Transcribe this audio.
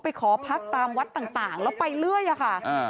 ขอพักตามวัดต่างแล้วไปเรื่อยอะค่ะ